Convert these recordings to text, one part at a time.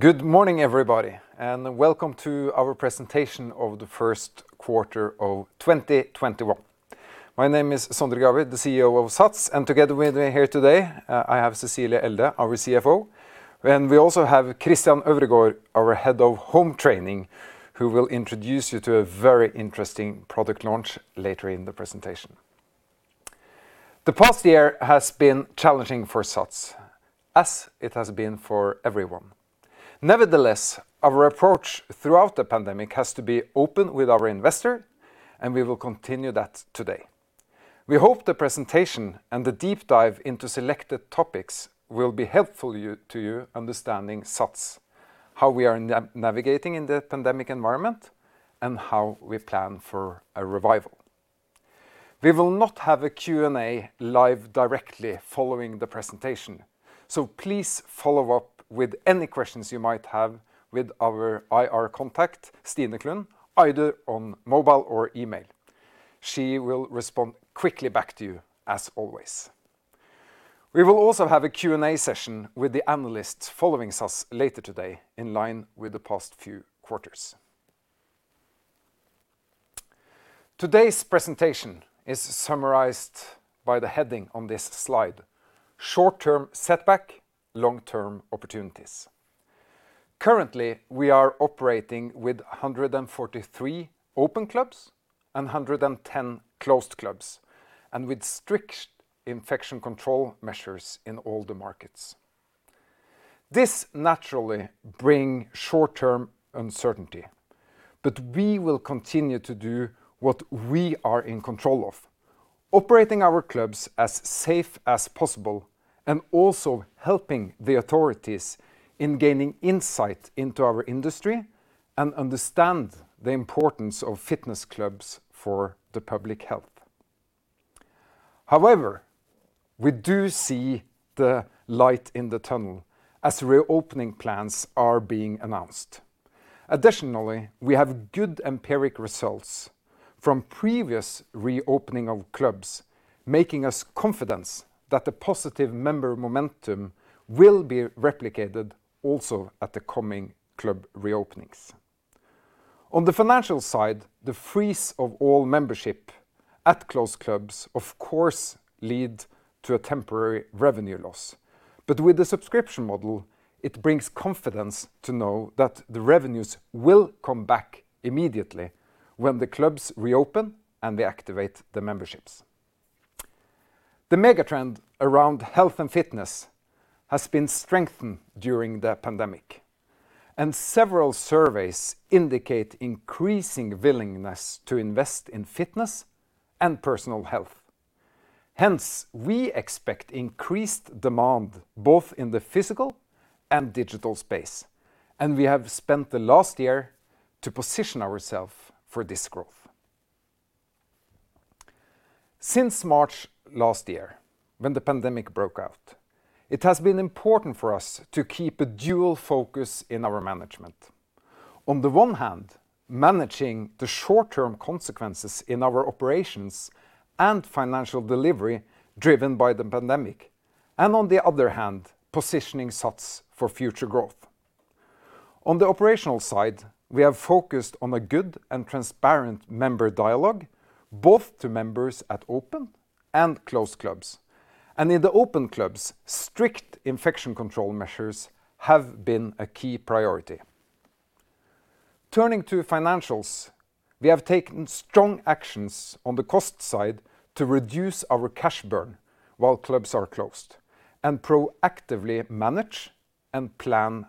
Good morning, everybody, welcome to our presentation of the first quarter of 2021. My name is Sondre Gravir, the CEO of SATS, and together with me here today, I have Cecilie Elde, our CFO, and we also have Christian Øvregaard, our Head of Home Training, who will introduce you to a very interesting product launch later in the presentation. The past year has been challenging for SATS, as it has been for everyone. Nevertheless, our approach throughout the pandemic has to be open with our investor, and we will continue that today. We hope the presentation and the deep dive into selected topics will be helpful to you understanding SATS, how we are navigating in the pandemic environment, and how we plan for a revival. We will not have a Q&A live directly following the presentation, please follow up with any questions you might have with our IR contact, Stine Klund, either on mobile or email. She will respond quickly back to you as always. We will also have a Q&A session with the analysts following SATS later today in line with the past few quarters. Today's presentation is summarized by the heading on this slide, short-term setback, long-term opportunities. Currently, we are operating with 143 open clubs and 110 closed clubs, with strict infection control measures in all the markets. This naturally bring short-term uncertainty, we will continue to do what we are in control of, operating our clubs as safe as possible and also helping the authorities in gaining insight into our industry and understand the importance of fitness clubs for the public health. However, we do see the light in the tunnel as reopening plans are being announced. Additionally, we have good empirical results from previous reopening of clubs, making us confident that the positive member momentum will be replicated also at the coming club reopenings. On the financial side, the freeze of all membership at closed clubs, of course, led to a temporary revenue loss. With the subscription model, it brings confidence to know that the revenues will come back immediately when the clubs reopen and reactivate the memberships. The megatrend around health and fitness has been strengthened during the pandemic, and several surveys indicate increasing willingness to invest in fitness and personal health. Hence, we expect increased demand both in the physical and digital space, and we have spent the last year to position ourselves for this growth. Since March last year when the pandemic broke out, it has been important for us to keep a dual focus in our management. On the one hand, managing the short-term consequences in our operations and financial delivery driven by the pandemic and, on the other hand, positioning SATS for future growth. On the operational side, we have focused on a good and transparent member dialogue, both to members at open and closed clubs. In the open clubs, strict infection control measures have been a key priority. Turning to financials, we have taken strong actions on the cost side to reduce our cash burn while clubs are closed and proactively manage and plan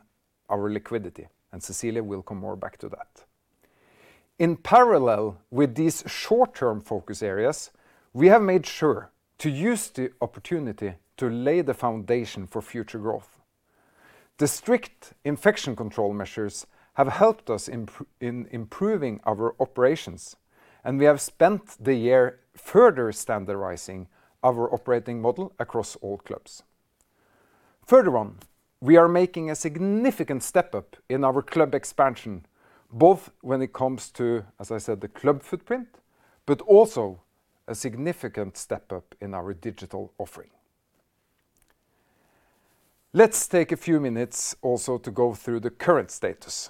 our liquidity, and Cecilie will come more back to that. In parallel with these short-term focus areas, we have made sure to use the opportunity to lay the foundation for future growth. The strict infection control measures have helped us in improving our operations. We have spent the year further standardizing our operating model across all clubs. Further on, we are making a significant step up in our club expansion, both when it comes to, as I said, the club footprint, but also a significant step up in our digital offering. Let's take a few minutes also to go through the current status.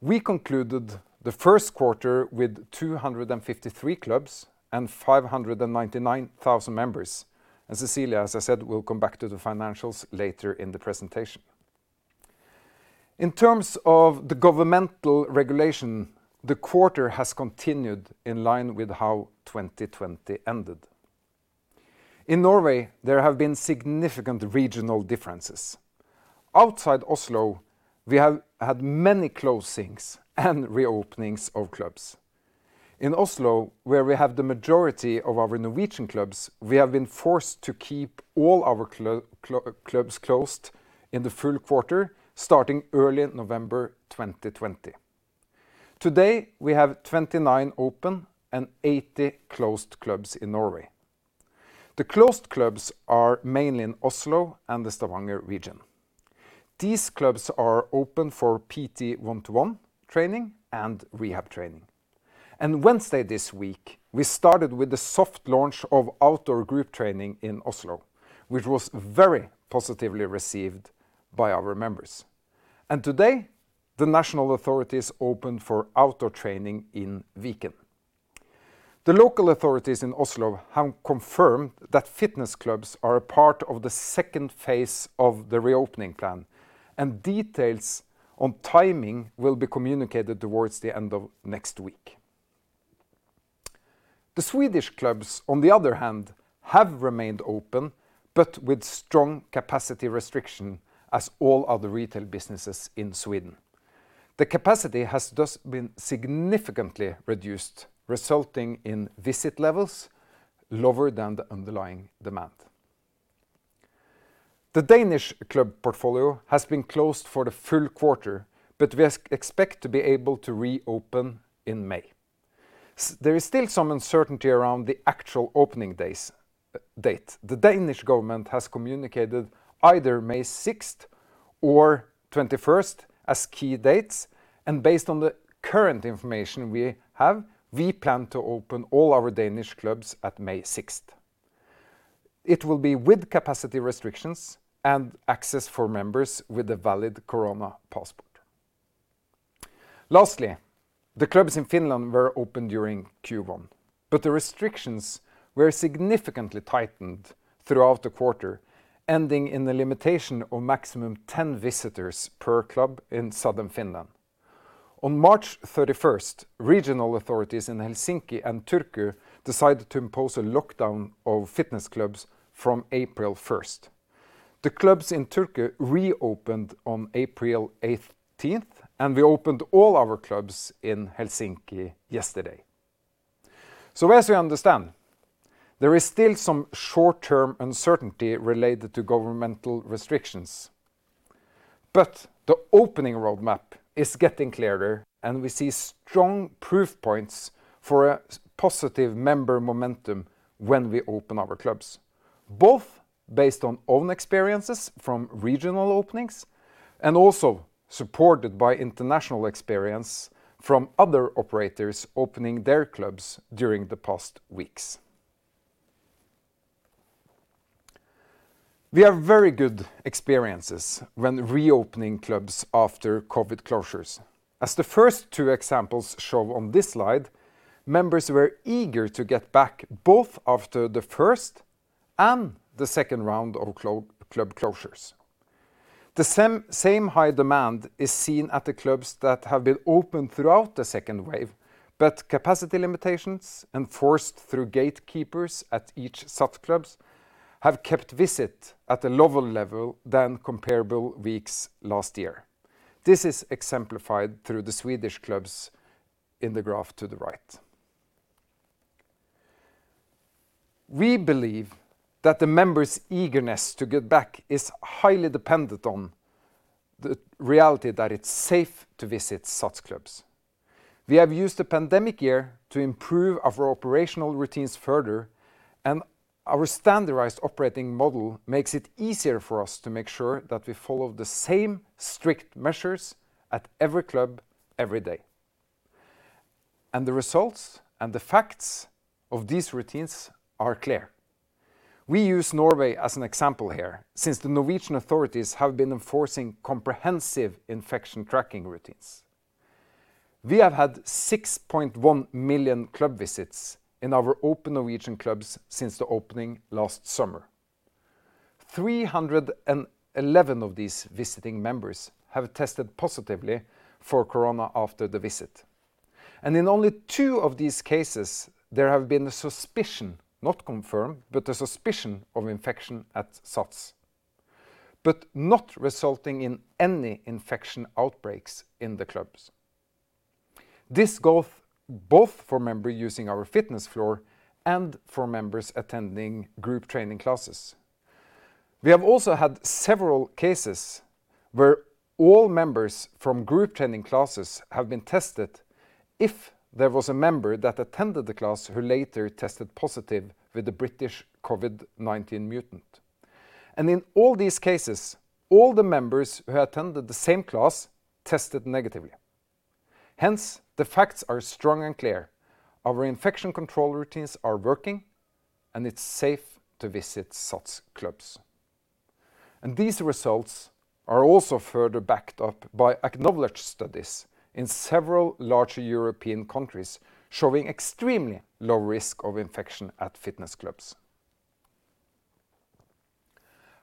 We concluded the first quarter with 253 clubs and 599,000 members. Cecilie, as I said, will come back to the financials later in the presentation. In terms of the governmental regulation, the quarter has continued in line with how 2020 ended. In Norway, there have been significant regional differences. Outside Oslo, we have had many closings and reopenings of clubs. In Oslo, where we have the majority of our Norwegian clubs, we have been forced to keep all our clubs closed in the full quarter, starting early November 2020. Today, we have 29 open and 80 closed clubs in Norway. The closed clubs are mainly in Oslo and the Stavanger region. These clubs are open for PT one-to-one training and rehab training. Wednesday this week, we started with the soft launch of outdoor group training in Oslo, which was very positively received by our members. Today, the national authorities opened for outdoor training in Viken. The local authorities in Oslo have confirmed that fitness clubs are a part of the second phase of the reopening plan, and details on timing will be communicated towards the end of next week. The Swedish clubs, on the other hand, have remained open, but with strong capacity restriction as all other retail businesses in Sweden. The capacity has thus been significantly reduced, resulting in visit levels lower than the underlying demand. The Danish club portfolio has been closed for the full quarter, but we expect to be able to reopen in May. There is still some uncertainty around the actual opening date. The Danish government has communicated either May 6th or 21st as key dates, and based on the current information we have, we plan to open all our Danish clubs at May 6th. It will be with capacity restrictions and access for members with a valid corona passport. Lastly, the clubs in Finland were open during Q1, but the restrictions were significantly tightened throughout the quarter, ending in a limitation of maximum 10 visitors per club in southern Finland. On March 31st, regional authorities in Helsinki and Turku decided to impose a lockdown of fitness clubs from April 1st. The clubs in Turku reopened on April 18th, and we opened all our clubs in Helsinki yesterday. As you understand, there is still some short-term uncertainty related to governmental restrictions. The opening roadmap is getting clearer, and we see strong proof points for a positive member momentum when we open our clubs, both based on own experiences from regional openings and also supported by international experience from other operators opening their clubs during the past weeks. We have very good experiences when reopening clubs after COVID closures. As the first two examples show on this slide, members were eager to get back both after the first and the second round of club closures. The same high demand is seen at the clubs that have been open throughout the second wave, but capacity limitations enforced through gatekeepers at each SATS clubs have kept visit at a lower level than comparable weeks last year. This is exemplified through the Swedish clubs in the graph to the right. We believe that the members' eagerness to get back is highly dependent on the reality that it's safe to visit SATS clubs. We have used the pandemic year to improve our operational routines further, and our standardized operating model makes it easier for us to make sure that we follow the same strict measures at every club, every day. The results and the facts of these routines are clear. We use Norway as an example here, since the Norwegian authorities have been enforcing comprehensive infection tracking routines. We have had 6.1 million club visits in our open Norwegian clubs since the opening last summer. 311 of these visiting members have tested positively for corona after the visit. In only two of these cases, there have been a suspicion, not confirmed, but a suspicion of infection at SATS, but not resulting in any infection outbreaks in the clubs. This goes both for member using our fitness floor and for members attending group training classes. We have also had several cases where all members from group training classes have been tested if there was a member that attended the class who later tested positive with the British COVID-19 mutant. In all these cases, all the members who attended the same class tested negatively. Hence, the facts are strong and clear. Our infection control routines are working, and it's safe to visit SATS clubs. These results are also further backed up by acknowledged studies in several larger European countries showing extremely low risk of infection at fitness clubs.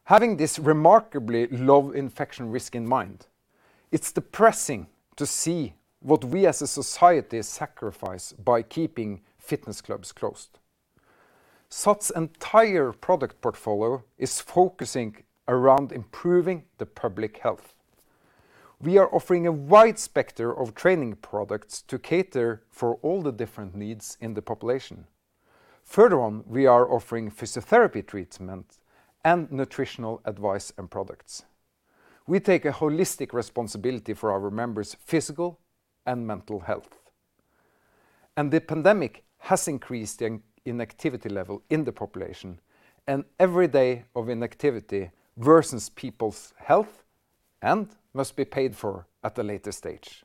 Having this remarkably low infection risk in mind, it's depressing to see what we as a society sacrifice by keeping fitness clubs closed. SATS' entire product portfolio is focusing around improving the public health. We are offering a wide spectrum of training products to cater for all the different needs in the population. We are offering physiotherapy treatment and nutritional advice and products. We take a holistic responsibility for our members' physical and mental health. The pandemic has increased the inactivity level in the population, and every day of inactivity worsens people's health and must be paid for at a later stage.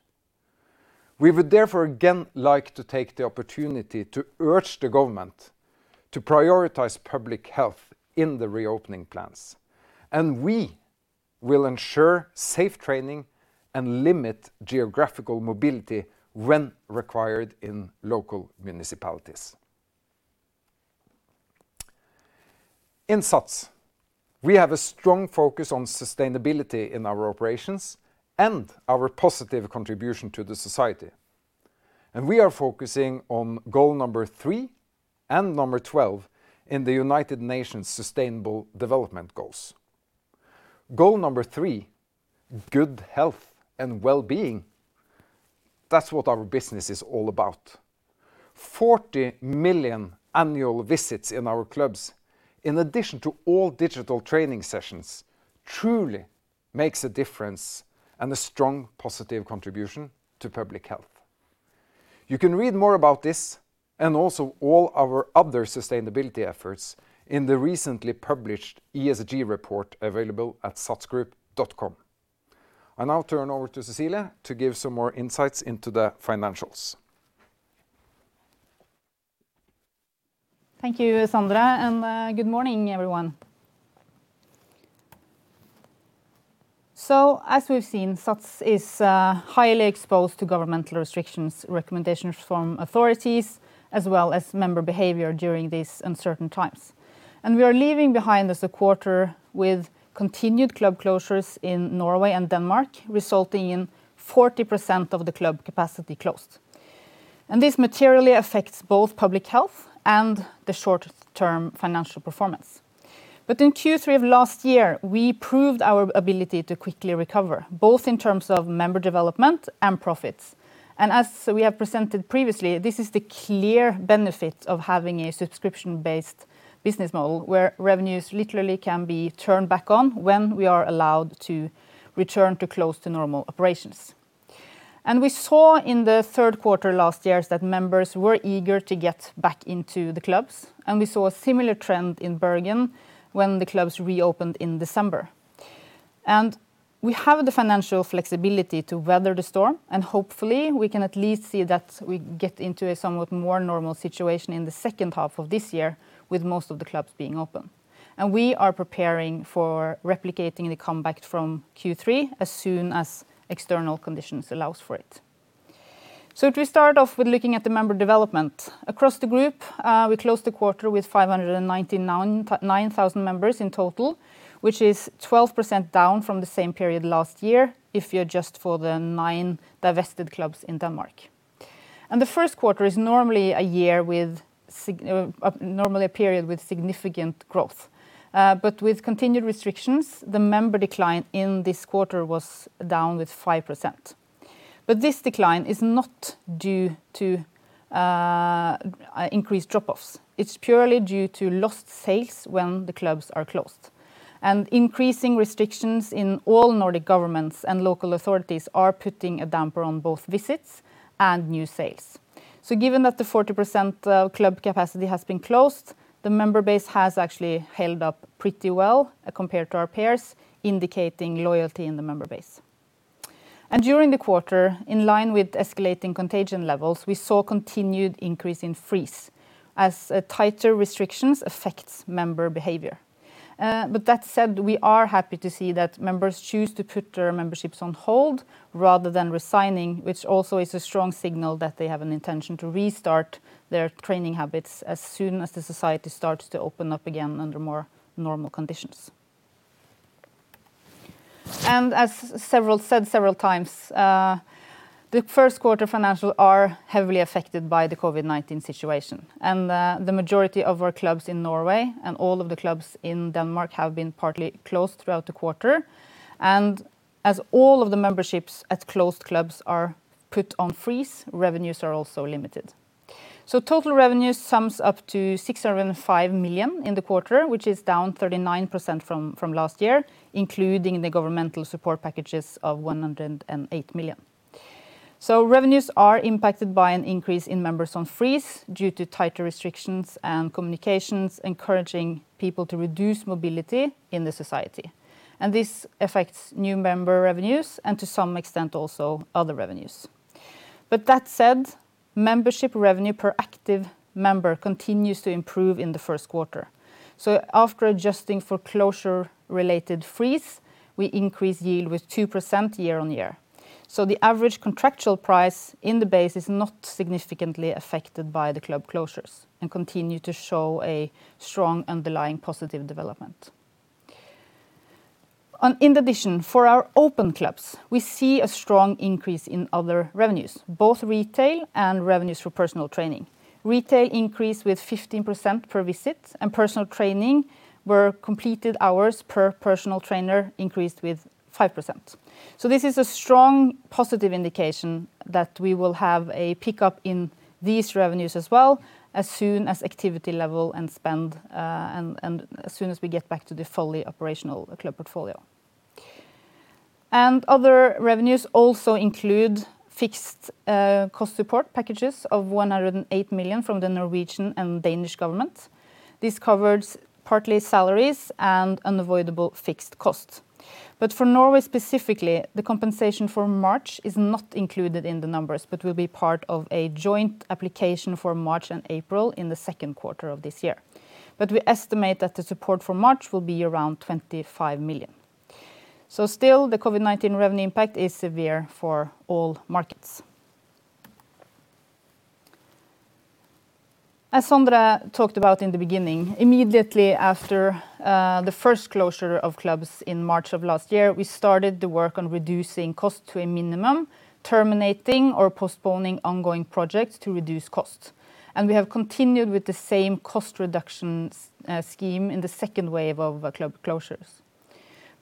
We would therefore again like to take the opportunity to urge the government to prioritize public health in the reopening plans, and we will ensure safe training and limit geographical mobility when required in local municipalities. In SATS, we have a strong focus on sustainability in our operations and our positive contribution to the society. We are focusing on goal number 3 and number 12 in the United Nations Sustainable Development Goals. Goal number 3, good health and wellbeing. That's what our business is all about. 40 million annual visits in our clubs, in addition to all digital training sessions, truly makes a difference and a strong positive contribution to public health. You can read more about this, and also all our other sustainability efforts, in the recently published ESG report available at satsgroup.com. I now turn over to Cecilie to give some more insights into the financials. Thank you, Sondre, and good morning, everyone. As we've seen, SATS is highly exposed to governmental restrictions, recommendations from authorities, as well as member behavior during these uncertain times. We are leaving behind us a quarter with continued club closures in Norway and Denmark, resulting in 40% of the club capacity closed. This materially affects both public health and the short-term financial performance. In Q3 of last year, we proved our ability to quickly recover, both in terms of member development and profits. As we have presented previously, this is the clear benefit of having a subscription-based business model, where revenues literally can be turned back on when we are allowed to return to close to normal operations. We saw in the third quarter last year that members were eager to get back into the clubs, and we saw a similar trend in Bergen when the clubs reopened in December. We have the financial flexibility to weather the storm, and hopefully we can at least see that we get into a somewhat more normal situation in the second half of this year with most of the clubs being open. We are preparing for replicating the comeback from Q3 as soon as external conditions allows for it. To start off with looking at the member development. Across the group, we closed the quarter with 599,000 members in total, which is 12% down from the same period last year if you adjust for the nine divested clubs in Denmark. The first quarter is normally a period with significant growth. With continued restrictions, the member decline in this quarter was down with 5%. This decline is not due to increased drop-offs. It's purely due to lost sales when the clubs are closed. Increasing restrictions in all Nordic governments and local authorities are putting a damper on both visits and new sales. Given that the 40% club capacity has been closed, the member base has actually held up pretty well compared to our peers, indicating loyalty in the member base. During the quarter, in line with escalating contagion levels, we saw continued increase in freeze as tighter restrictions affects member behavior. That said, we are happy to see that members choose to put their memberships on hold rather than resigning, which also is a strong signal that they have an intention to restart their training habits as soon as the society starts to open up again under more normal conditions. As said several times, the first quarter financials are heavily affected by the COVID-19 situation, and the majority of our clubs in Norway and all of the clubs in Denmark have been partly closed throughout the quarter. As all of the memberships at closed clubs are put on freeze, revenues are also limited. Total revenues sums up to 605 million in the quarter, which is down 39% from last year, including the governmental support packages of 108 million. Revenues are impacted by an increase in members on freeze due to tighter restrictions and communications encouraging people to reduce mobility in the society. This affects new member revenues and to some extent, also other revenues. That said, membership revenue per active member continues to improve in the first quarter. After adjusting for closure-related freeze, we increased yield with 2% year-on-year. The average contractual price in the base is not significantly affected by the club closures and continue to show a strong underlying positive development. In addition, for our open clubs, we see a strong increase in other revenues, both retail and revenues for personal training. Retail increased with 15% per visit, and personal training were completed hours per personal trainer increased with 5%. This is a strong positive indication that we will have a pickup in these revenues as well as soon as activity level and spend, and as soon as we get back to the fully operational club portfolio. Other revenues also include fixed cost support packages of 108 million from the Norwegian and Danish government. This covers partly salaries and unavoidable fixed costs. For Norway specifically, the compensation for March is not included in the numbers, but will be part of a joint application for March and April in the second quarter of this year. We estimate that the support for March will be around 25 million. Still, the COVID-19 revenue impact is severe for all markets. As Sondre talked about in the beginning, immediately after the first closure of clubs in March of last year, we started the work on reducing costs to a minimum, terminating or postponing ongoing projects to reduce costs. We have continued with the same cost reduction scheme in the second wave of club closures.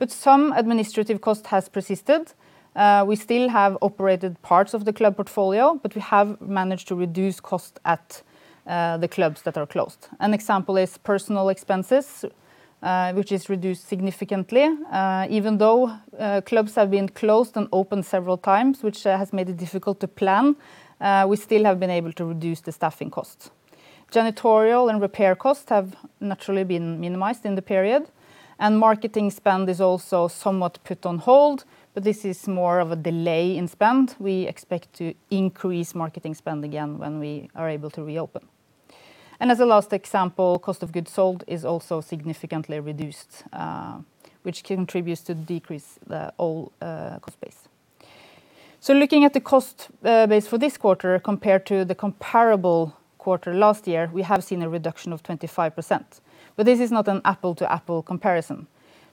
Some administrative cost has persisted. We still have operated parts of the club portfolio, but we have managed to reduce costs at the clubs that are closed. An example is personnel expenses, which is reduced significantly. Even though clubs have been closed and opened several times, which has made it difficult to plan, we still have been able to reduce the staffing costs. Janitorial and repair costs have naturally been minimized in the period. Marketing spend is also somewhat put on hold, but this is more of a delay in spend. We expect to increase marketing spend again when we are able to reopen. As a last example, cost of goods sold is also significantly reduced, which contributes to decrease the whole cost base. Looking at the cost base for this quarter compared to the comparable quarter last year, we have seen a reduction of 25%. This is not an apple-to-apple comparison,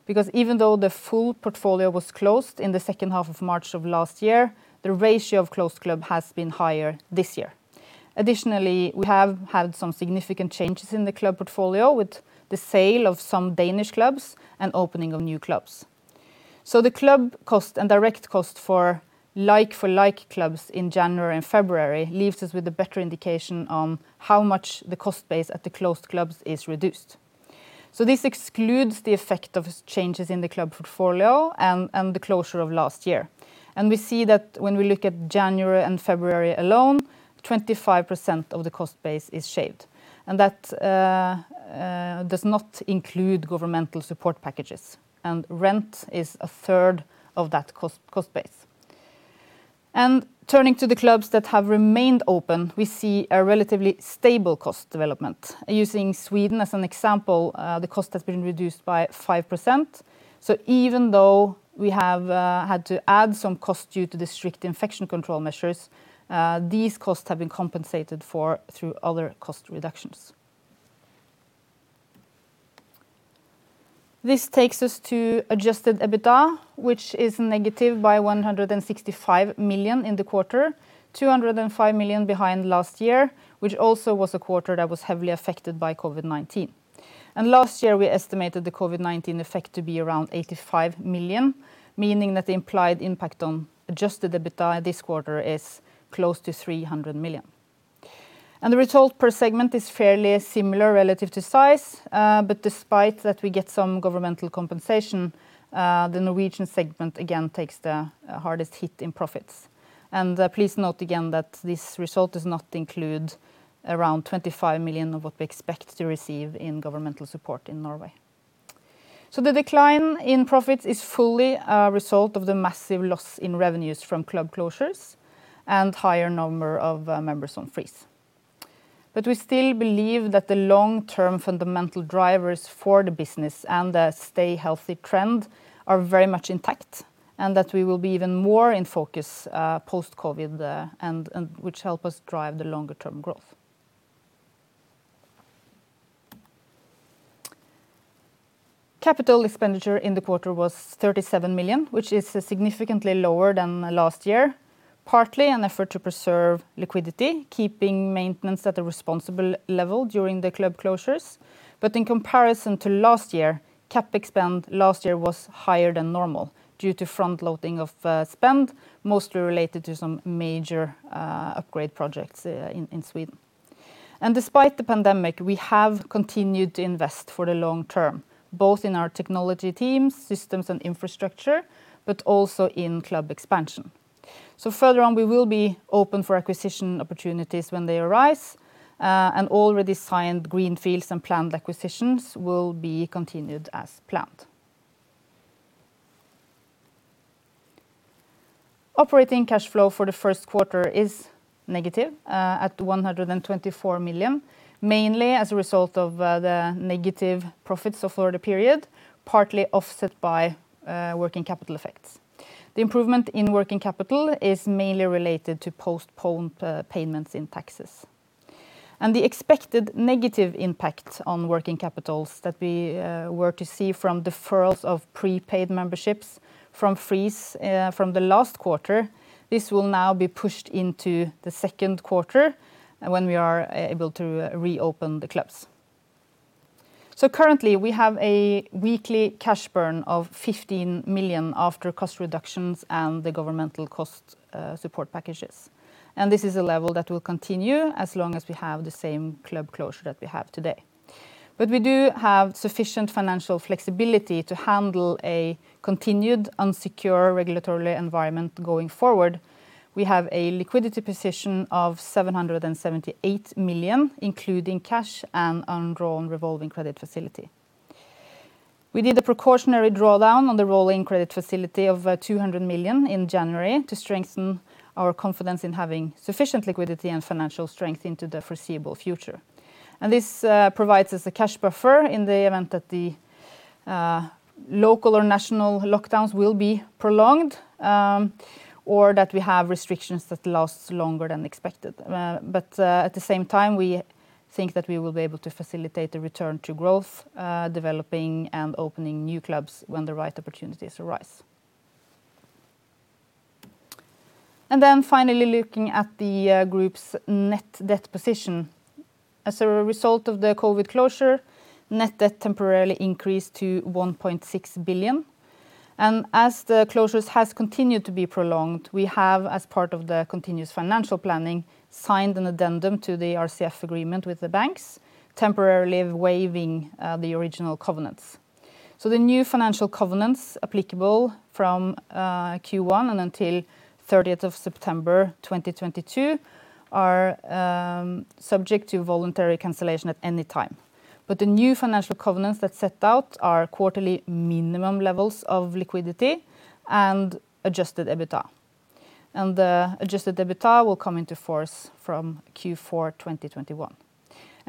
because even though the full portfolio was closed in the second half of March of last year, the ratio of closed club has been higher this year. Additionally, we have had some significant changes in the club portfolio with the sale of some Danish clubs and opening of new clubs. The club cost and direct cost for like-for-like clubs in January and February leaves us with a better indication on how much the cost base at the closed clubs is reduced. This excludes the effect of changes in the club portfolio and the closure of last year. We see that when we look at January and February alone, 25% of the cost base is shaved. That does not include governmental support packages, and rent is a third of that cost base. Turning to the clubs that have remained open, we see a relatively stable cost development. Using Sweden as an example, the cost has been reduced by 5%. Even though we have had to add some cost due to the strict infection control measures, these costs have been compensated for through other cost reductions. This takes us to adjusted EBITDA, which is negative by 165 million in the quarter, 205 million behind last year, which also was a quarter that was heavily affected by COVID-19. Last year, we estimated the COVID-19 effect to be around 85 million, meaning that the implied impact on adjusted EBITDA this quarter is close to 300 million. The result per segment is fairly similar relative to size. Despite that we get some governmental compensation, the Norwegian segment again takes the hardest hit in profits. Please note again that this result does not include around 25 million of what we expect to receive in governmental support in Norway. The decline in profits is fully a result of the massive loss in revenues from club closures and higher number of members on freeze. We still believe that the long-term fundamental drivers for the business and the stay healthy trend are very much intact, and that we will be even more in focus post-COVID, which help us drive the longer-term growth. Capital expenditure in the quarter was 37 million, which is significantly lower than last year. Partly an effort to preserve liquidity, keeping maintenance at a responsible level during the club closures. In comparison to last year, CapEx spend last year was higher than normal due to front-loading of spend, mostly related to some major upgrade projects in Sweden. Despite the pandemic, we have continued to invest for the long term, both in our technology teams, systems, and infrastructure, but also in club expansion. Further on, we will be open for acquisition opportunities when they arise, and already signed greenfields and planned acquisitions will be continued as planned. Operating cash flow for the first quarter is negative at 124 million, mainly as a result of the negative profits for the period, partly offset by working capital effects. The improvement in working capital is mainly related to postponed payments in taxes. The expected negative impact on working capitals that we were to see from deferrals of prepaid memberships from freeze from the last quarter, this will now be pushed into the second quarter when we are able to reopen the clubs. Currently, we have a weekly cash burn of 15 million after cost reductions and the governmental cost support packages. This is a level that will continue as long as we have the same club closure that we have today. We do have sufficient financial flexibility to handle a continued unsecure regulatory environment going forward. We have a liquidity position of 778 million, including cash and undrawn revolving credit facility. We did a precautionary drawdown on the revolving credit facility of 200 million in January to strengthen our confidence in having sufficient liquidity and financial strength into the foreseeable future. This provides us a cash buffer in the event that the local or national lockdowns will be prolonged, or that we have restrictions that last longer than expected. At the same time, we think that we will be able to facilitate the return to growth, developing and opening new clubs when the right opportunities arise. Finally, looking at the group's net debt position. As a result of the COVID closure, net debt temporarily increased to 1.6 billion. As the closures has continued to be prolonged, we have, as part of the continuous financial planning, signed an addendum to the RCF agreement with the banks, temporarily waiving the original covenants. The new financial covenants applicable from Q1 and until 30th of September 2022 are subject to voluntary cancellation at any time. The new financial covenants that set out our quarterly minimum levels of liquidity and adjusted EBITDA. The adjusted EBITDA will come into force from Q4 2021.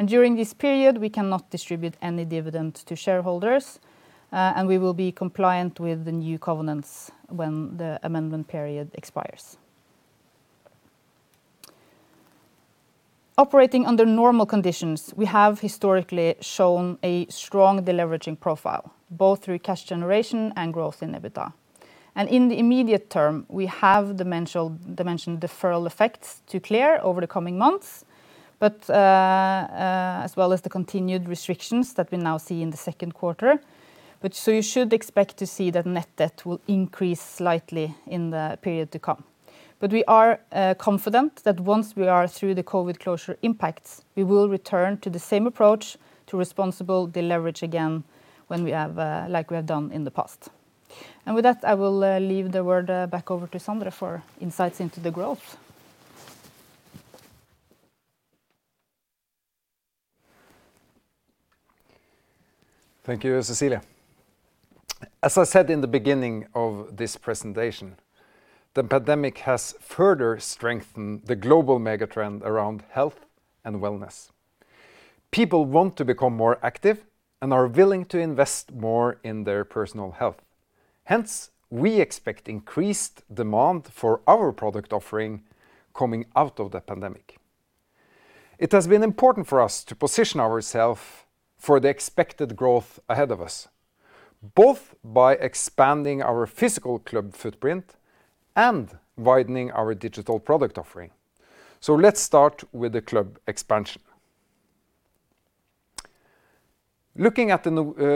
During this period, we cannot distribute any dividend to shareholders, and we will be compliant with the new covenants when the amendment period expires. Operating under normal conditions, we have historically shown a strong deleveraging profile, both through cash generation and growth in EBITDA. In the immediate term, we have dimensioned deferral effects to clear over the coming months, but as well as the continued restrictions that we now see in the second quarter. You should expect to see that net debt will increase slightly in the period to come. We are confident that once we are through the COVID closure impacts, we will return to the same approach to responsible deleverage again like we have done in the past. With that, I will leave the word back over to Sondre for insights into the growth. Thank you, Cecilie Elde. As I said in the beginning of this presentation, the pandemic has further strengthened the global mega-trend around health and wellness. People want to become more active and are willing to invest more in their personal health. Hence, we expect increased demand for our product offering coming out of the pandemic. It has been important for us to position ourselves for the expected growth ahead of us, both by expanding our physical club footprint and widening our digital product offering. Let's start with the club expansion. Looking at the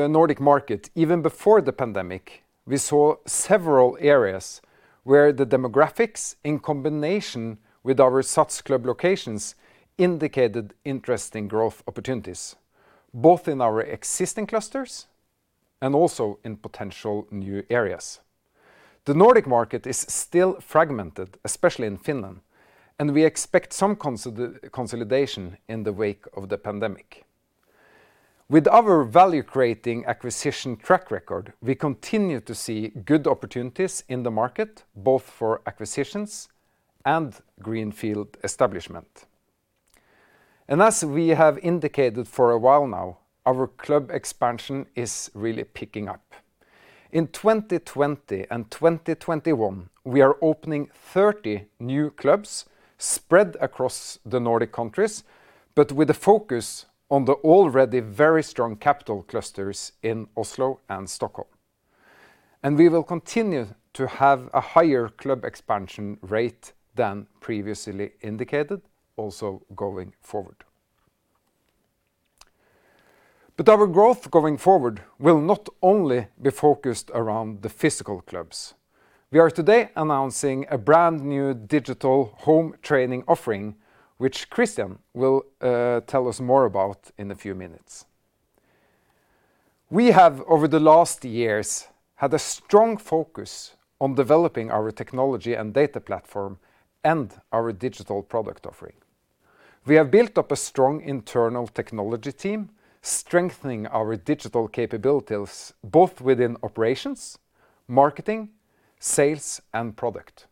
Nordic market, even before the pandemic, we saw several areas where the demographics, in combination with our SATS club locations, indicated interesting growth opportunities, both in our existing clusters and also in potential new areas. The Nordic market is still fragmented, especially in Finland, and we expect some consolidation in the wake of the pandemic. With our value-creating acquisition track record, we continue to see good opportunities in the market, both for acquisitions and greenfield establishment. As we have indicated for a while now, our club expansion is really picking up. In 2020 and 2021, we are opening 30 new clubs spread across the Nordic countries, but with a focus on the already very strong capital clusters in Oslo and Stockholm. We will continue to have a higher club expansion rate than previously indicated also going forward. Our growth going forward will not only be focused around the physical clubs. We are today announcing a brand-new digital home training offering, which Christian will tell us more about in a few minutes. We have, over the last years, had a strong focus on developing our technology and data platform and our digital product offering. We have built up a strong internal technology team, strengthening our digital capabilities both within operations, marketing, sales, and product.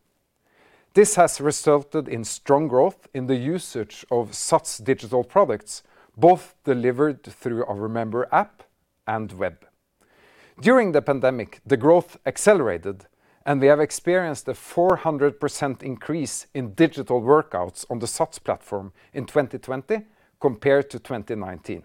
This has resulted in strong growth in the usage of SATS digital products, both delivered through our member app and web. During the pandemic, the growth accelerated, and we have experienced a 400% increase in digital workouts on the SATS platform in 2020 compared to 2019.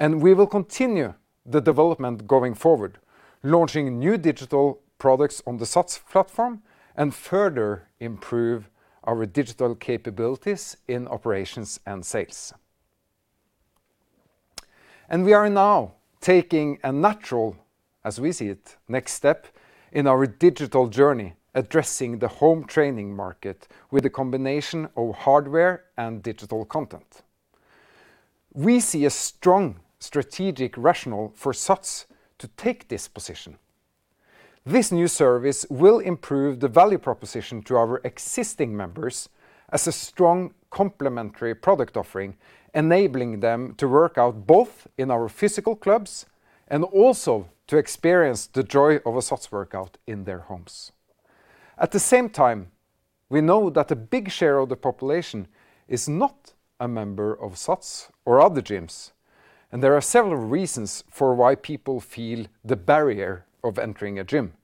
We will continue the development going forward, launching new digital products on the SATS platform and further improve our digital capabilities in operations and sales. We are now taking a natural, as we see it, next step in our digital journey addressing the home training market with a combination of hardware and digital content. We see a strong strategic rationale for SATS to take this position. This new service will improve the value proposition to our existing members as a strong complementary product offering, enabling them to work out both in our physical clubs and also to experience the joy of a SATS workout in their homes. At the same time, we know that a big share of the population is not a member of SATS or other gyms, and there are several reasons for why people feel the barrier of entering a gym,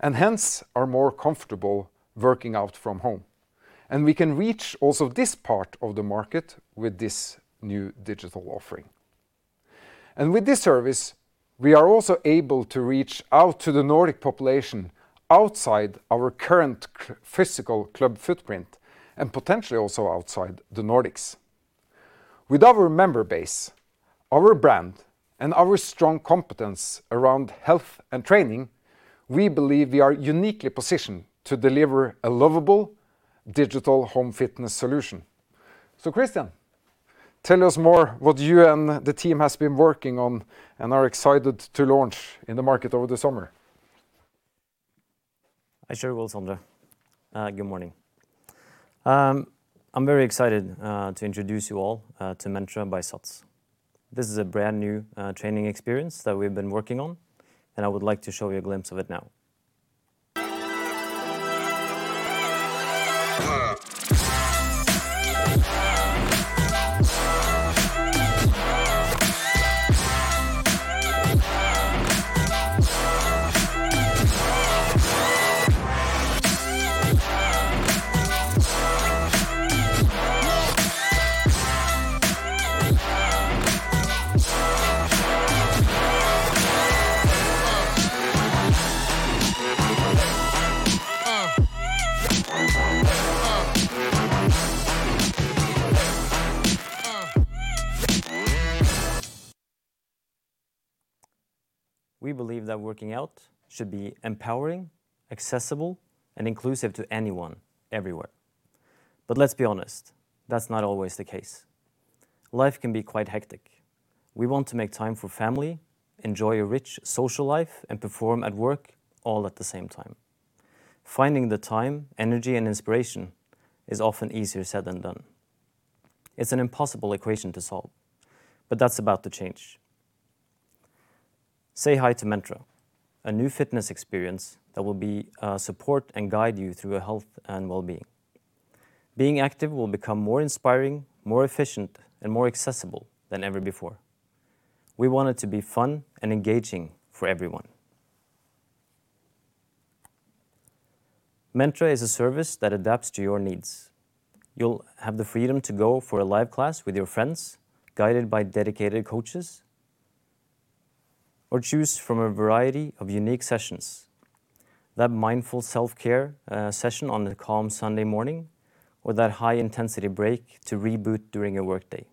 and hence are more comfortable working out from home. We can reach also this part of the market with this new digital offering. With this service, we are also able to reach out to the Nordic population outside our current physical club footprint, and potentially also outside the Nordics. With our member base, our brand, and our strong competence around health and training, we believe we are uniquely positioned to deliver a lovable digital home fitness solution. Christian, tell us more what you and the team has been working on and are excited to launch in the market over the summer. I sure will, Sondre. Good morning. I'm very excited to introduce you all to Mentra by SATS. This is a brand new training experience that we've been working on, and I would like to show you a glimpse of it now. We believe that working out should be empowering, accessible, and inclusive to anyone, everywhere. Let's be honest, that's not always the case. Life can be quite hectic. We want to make time for family, enjoy a rich social life, and perform at work all at the same time. Finding the time, energy, and inspiration is often easier said than done. It's an impossible equation to solve. That's about to change. Say hi to Mentra, a new fitness experience that will support and guide you through your health and wellbeing. Being active will become more inspiring, more efficient, and more accessible than ever before. We want it to be fun and engaging for everyone. Mentra is a service that adapts to your needs. You'll have the freedom to go for a live class with your friends, guided by dedicated coaches or choose from a variety of unique sessions. That mindful self-care session on a calm Sunday morning or that high-intensity break to reboot during your workday.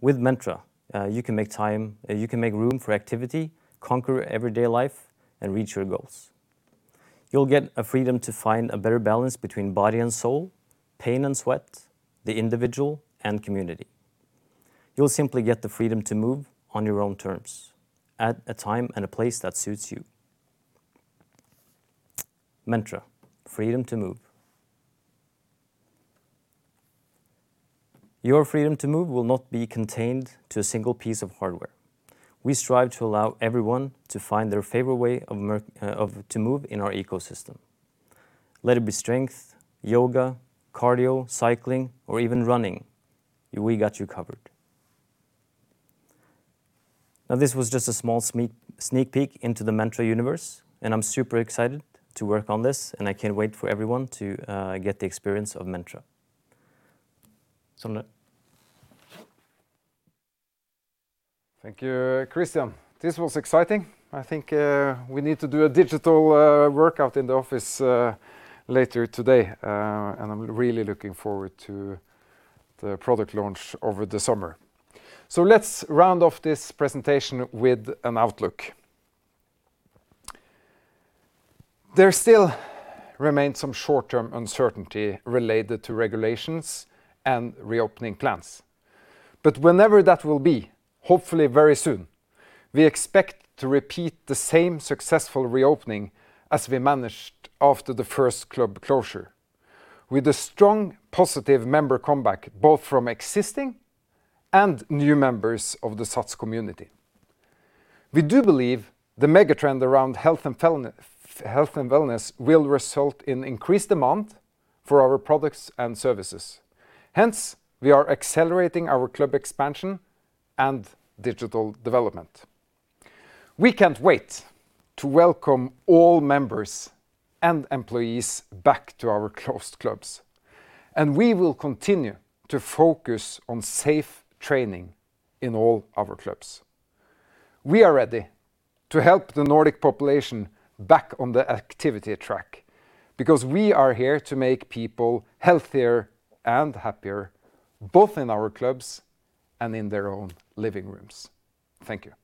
With Mentra, you can make room for activity, conquer everyday life, and reach your goals. You'll get a freedom to find a better balance between body and soul, pain and sweat, the individual and community. You'll simply get the freedom to move on your own terms at a time and a place that suits you. Mentra, freedom to move. Your freedom to move will not be contained to a single piece of hardware. We strive to allow everyone to find their favorite way to move in our ecosystem. Let it be strength, yoga, cardio, cycling, or even running. We got you covered. This was just a small sneak peek into the Mentra universe, and I'm super excited to work on this, and I can't wait for everyone to get the experience of Mentra. Sondre. Thank you, Christian. This was exciting. I think we need to do a digital workout in the office later today. I'm really looking forward to the product launch over the summer. Let's round off this presentation with an outlook. There still remains some short-term uncertainty related to regulations and reopening plans. Whenever that will be, hopefully very soon, we expect to repeat the same successful reopening as we managed after the first club closure with a strong positive member comeback both from existing and new members of the SATS community. We do believe the mega trend around health and wellness will result in increased demand for our products and services. Hence, we are accelerating our club expansion and digital development. We can't wait to welcome all members and employees back to our closed clubs, and we will continue to focus on safe training in all our clubs. We are ready to help the Nordic population back on the activity track because we are here to make people healthier and happier both in our clubs and in their own living rooms. Thank you.